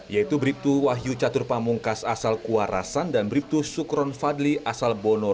yaitu bribtu wahyu catur pamungkas asal kuarasan dan bribtu sukron fadli asal bono